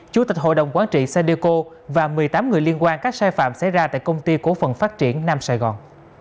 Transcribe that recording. chủ tịch hội đồng quán trị sedeco và một mươi tám người liên quan các sai phạm xảy ra tại công ty cố phận phát triển nam sài gòn